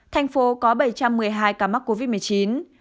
thành phố có bảy trăm một mươi hai ca mắc covid một mươi chín